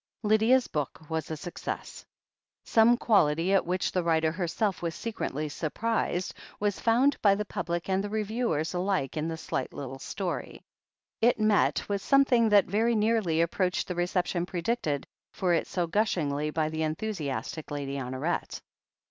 Lydia's book was a success. Some quality, at which the writer herself was secretly surprised, was found by the public and the reviewers alike in the slight little story. It met with something that very nearly approached the reception predicted for it so gushingly by the enthusiastic Lady Honoret.